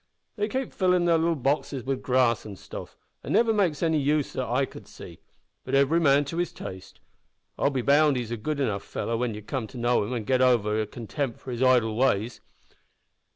They keep fillin' their little boxes wi' grass an' stuff; an' never makes any use of it that I could see. But every man to his taste. I'll be bound he's a good enough feller when ye come to know him, an' git over yer contempt for his idle ways.